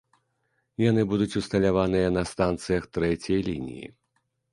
Яны будуць усталяваныя на станцыях трэцяй лініі.